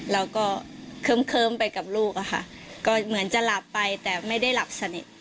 เราก็เคิ้มเคิ้มไปกับลูกอะค่ะก็เหมือนจะหลับไปแต่ไม่ได้หลับสนิทอย่างเงี้ยค่ะ